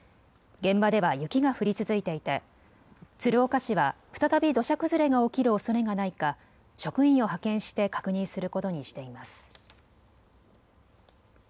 現場では雪が降り続いていて鶴岡市は再び土砂崩れが起きるおそれがないか職員を派遣して確認することにしています。